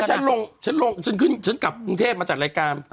ก็ฉันลงฉันลงฉันกลับกรุงเทพมาจัดรายการ